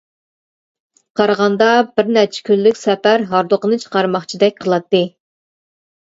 قارىغاندا، بىر نەچچە كۈنلۈك سەپەر ھاردۇقىنى چىقارماقچىدەك قىلاتتى.